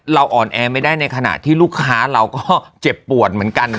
อ่อนแอไม่ได้ในขณะที่ลูกค้าเราก็เจ็บปวดเหมือนกัน